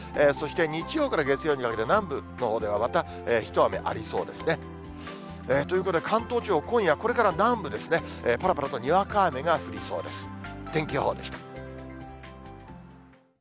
そして日曜から月曜にかけて、南部のほうではまた一雨ありそうですね。ということで関東地方、今夜、これから南部ですね、ぱらぱらとにわか雨が降りそうです。